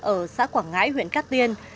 ở xã quảng ngãi huyện cát tiên